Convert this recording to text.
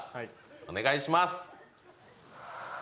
お願いします。